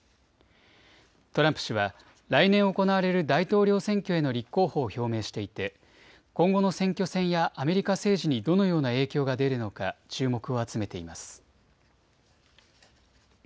トランプ氏は来年行われる大統領選挙への立候補を表明していて今後の選挙戦やアメリカ政治にどのような影響が出るのか注目を集めています。